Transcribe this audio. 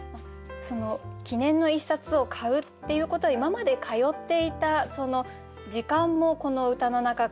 その「記念の一冊」を買うっていうことは今まで通っていたその時間もこの歌の中から読み取ることができて